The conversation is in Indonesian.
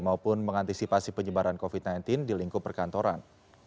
maupun mengantisipasi penyebaran covid sembilan belas di lingkup perkantoran